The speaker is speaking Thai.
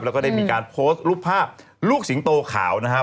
แล้วก็ได้มีการโพสต์รูปภาพลูกสิงโตขาวนะครับ